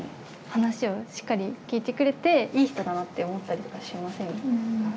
話をしっかり聞いてくれていい人だなって思ったりとかしませんか？